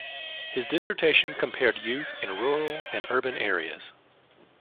His dissertation compared youth in rural and urban areas.